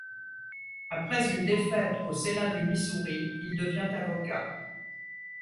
Après une défaite au Sénat du Missouri, il devient avocat.